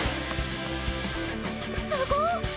すごっ！